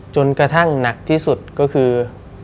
จนกระทั่งหนักที่สุดก็คือ